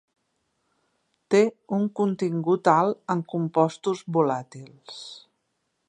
Té un contingut alt en compostos volàtils.